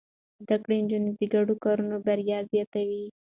زده کړې نجونې د ګډو کارونو بريا زياتوي.